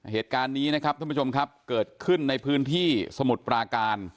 เหตุการณ์นี้เกิดขึ้นในพื้นที่สมุทย์ปลาการ